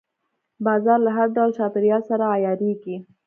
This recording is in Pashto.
باز له هر ډول چاپېریال سره عیارېږي